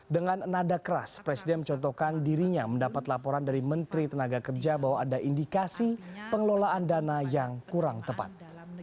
dengan nada keras presiden mencontohkan dirinya mendapat laporan dari menteri tenaga kerja bahwa ada indikasi pengelolaan dana yang kurang tepat